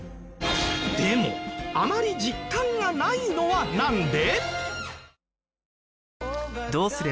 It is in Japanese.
でもあまり実感がないのはなんで？